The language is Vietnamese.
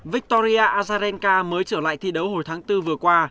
victoria azarenca mới trở lại thi đấu hồi tháng bốn vừa qua